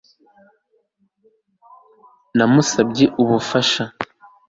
Namusabye ubufasha